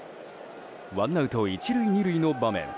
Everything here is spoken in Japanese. ワンアウト１塁２塁の場面。